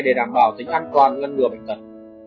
để đảm bảo tính an toàn ngăn ngừa bệnh tật